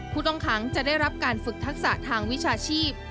ผู้ต้องขังจะได้รับการฝึกทักษะทางวิชาชีพ